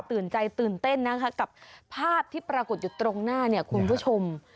ตื่นเต้นนะคะกับภาพที่ปรากฏอยู่ตรงหน้าเนี่ยคุณผู้ชม